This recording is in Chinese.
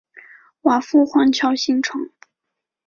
瓦夫环礁形成。